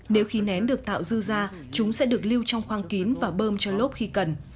nếu khí nén được tạo dư ra chúng sẽ được lưu trong khoang kín và bơm cho lốp khi cần